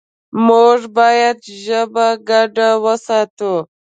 موږ باید ژبه ګډه وساتو.